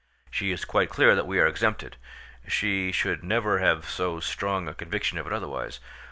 She is quite clear that we are exempted. She should never have so strong a conviction of it otherwise.